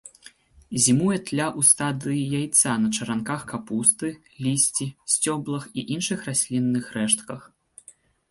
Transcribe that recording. Зімуе тля ў стадыі яйца на чаранках капусты, лісці, сцёблах і іншых раслінных рэштках.